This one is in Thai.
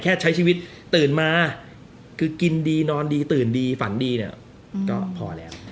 ใช้ชีวิตตื่นมาคือกินดีนอนดีตื่นดีฝันดีเนี่ยก็พอแล้ว